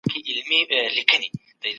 موږ د سياست په اړه نوي حقايق پيدا کړي دي.